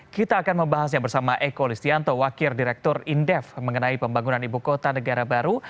kita akan membahasnya bersama eko listianto wakil direktur indef mengenai pembangunan ibu kota negara baru